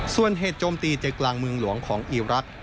ส่วนเหตุโจมตีใจกลางเมืองหลวงของอีรักษ์